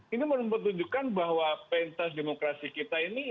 ini menunjukkan bahwa pentas demokrasi kita ini